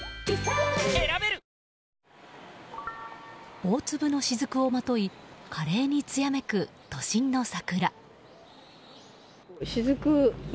大粒のしずくをまといかれんにつやめく都心の桜。